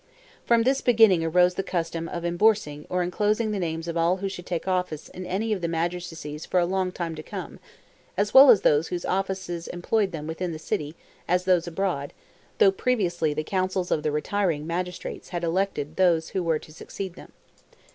From this beginning arose the custom of emborsing or enclosing the names of all who should take office in any of the magistracies for a long time to come, as well those whose offices employed them within the city as those abroad, though previously the councils of the retiring magistrates had elected those who were to succeed them.